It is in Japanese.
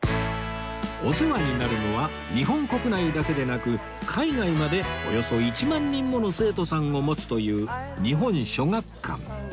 お世話になるのは日本国内だけでなく海外までおよそ１万人もの生徒さんを持つという日本書学館